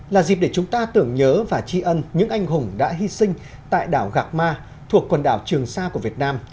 là dịp để chúng ta tưởng nhớ và tri ân những anh hùng đã hy sinh tại đảo gạc ma thuộc quần đảo trường sa của việt nam